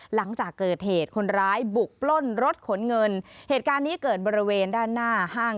หลังจากเกิดเหตุคนร้ายบุกปล้นรถขนเงินเหตุการณ์นี้เกิดบริเวณด้านหน้าห้าง